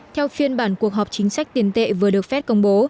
theo phiên bản cuộc họp chính sách tiền tệ vừa được phép công bố